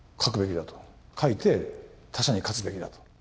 書いて他社に勝つべきだと。